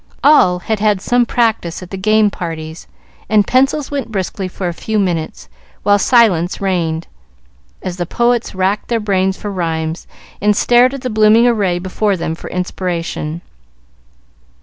All had had some practice at the game parties, and pencils went briskly for a few minutes, while silence reigned, as the poets racked their brains for rhymes, and stared at the blooming array before them for inspiration.